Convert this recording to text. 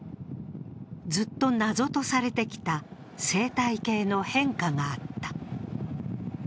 ずっと謎とされてきた生態系の変化があった。